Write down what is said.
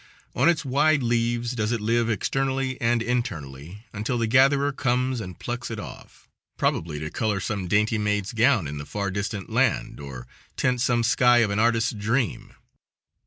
On its wide leaves does it live externally and internally until the gatherer comes and plucks it off, probably to color some dainty maid's gown in the far distant land or tint some sky of an artist's dream.